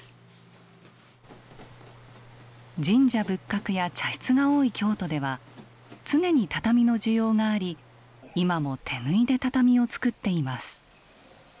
神社仏閣や茶室が多い京都では常に畳の需要があり今も手縫いで畳を作っています。